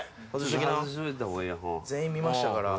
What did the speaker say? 全員見ましたから。